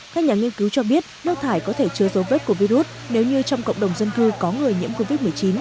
các nhà nghiên cứu cho biết nước thải có thể chứa dấu vết của virus nếu như trong cộng đồng dân cư có người nhiễm covid một mươi chín